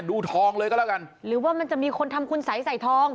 ดูทองเลยก็แล้วกันหรือว่ามันจะมีคนทำคุณสัยใส่ทอง